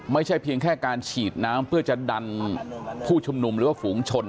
ไม่ใช่เพียงแค่การฉีดน้ำเพื่อจะดันผู้ชุมนุมหรือว่าฝูงชน